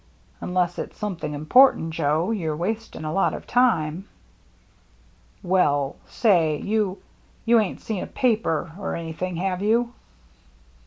Unless it's something important, Joe, you're wasting a lot of time." " Well, say — you — you ain't seen a paper — or anything, have you